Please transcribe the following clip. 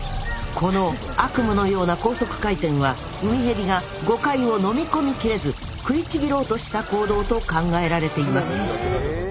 この悪夢のような高速回転はウミヘビがゴカイを飲み込みきれず食いちぎろうとした行動と考えられています